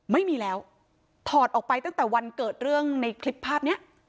ไม่มีแล้วถอดออกไปตั้งแต่วันเกิดเรื่องในคลิปภาพเนี้ย